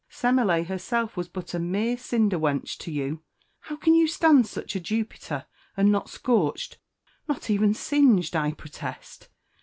Semelé herself was but a mere cinder wench to you! How can you stand such a Jupiter and not scorched! not even singed, I protest!"